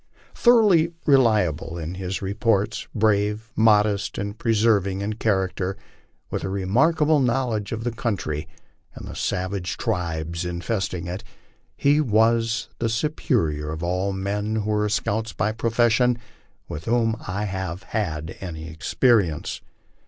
Thoroughly reliable in his reports, brave, modest, and persevering in character, with a remarkable knowledge of the country and the savage tribes infesting it, he was the superior of all men who were scouts by profession with whom I have had any experience.